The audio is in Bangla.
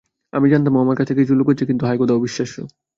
আমি জানতাম ও আমার কাছ থেকে কিছু লুকাচ্ছে, কিন্তু হায় খোদা, অবিশ্বাস্য।